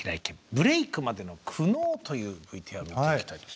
ブレイクまでの苦悩」というＶＴＲを見ていきたいです。